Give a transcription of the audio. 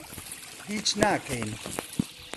هیچ ناکەین.